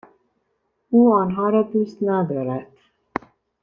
او آنها را دوست ندارد.